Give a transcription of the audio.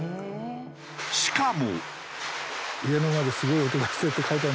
しかも。